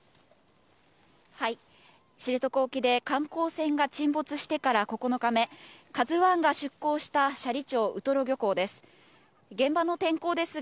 知床沖で観光船が沈没してから９日目、カズワンが出港した斜里町ウトロ漁港です。